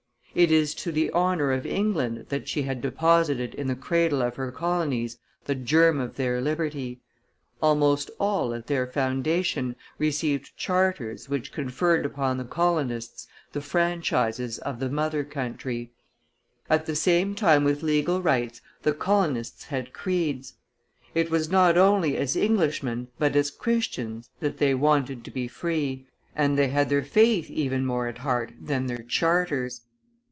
"It is to the honor of England that she had deposited in the cradle of her colonies the germ of their liberty; almost all, at their foundation, received charters which conferred upon the colonists the franchises of the mother country. "At the same time with legal rights, the colonists had creeds. It was not only as Englishmen, but as Christians, that they wanted to be free, and they had their faith even more at heart than their charters.